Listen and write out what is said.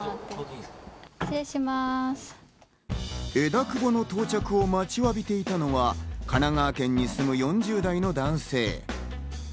枝久保の到着を待ちわびていたのは神奈川県に住む４０代の男性。